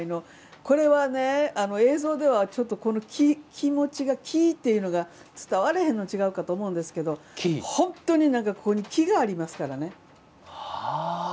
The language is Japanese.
これは映像ではちょっと気持ちが気っていうのが伝われへんのかなと思いますけど本当にここに気がありますからね。